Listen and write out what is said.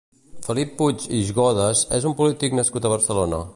Felip Puig i Godes és un polític nascut a Barcelona.